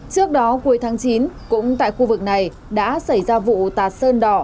trước đó cuối tháng chín cũng tại khu vực này đã xảy ra vụ tạt sơn đỏ